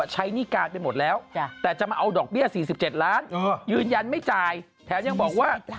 หนี้การไปหมดแล้วแต่จะมาเอาดอกเบี้ย๔๗ล้านยืนยันไม่จ่ายแถมยังบอกว่า